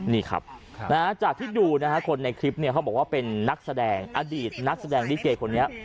นี่ครับจากที่ดูนะฮะคนในคลิปเนี่ยเขาบอกว่าเป็นนักแสดงอดีตนักแสดงลิเกคนนี้